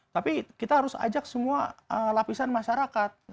tapi kita harus ajak semua lapisan masyarakat